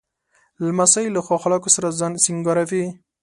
لمسی له ښو اخلاقو سره ځان سینګاروي.